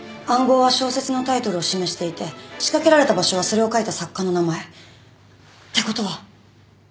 暗号は小説のタイトルを示していて仕掛けられた場所はそれを書いた作家の名前。ってことは。